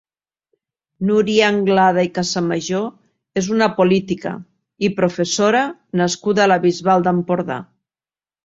Núria Anglada i Casamajor és una política i professora nascuda a la Bisbal d'Empordà.